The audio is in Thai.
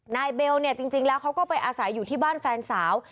เบลเนี่ยจริงแล้วเขาก็ไปอาศัยอยู่ที่บ้านแฟนสาว